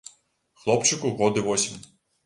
Хлопчыку год і восем.